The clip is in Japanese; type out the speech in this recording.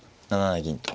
７七銀と。